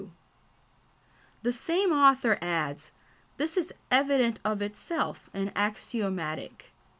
" The same author adds: "this is evident of itself, and axiomatic.